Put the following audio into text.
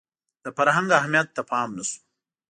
د فرهنګ اهمیت ته پام نه شو